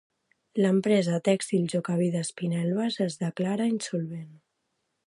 L'empresa tèxtil Jocavi d'Espinelves es declara insolvent.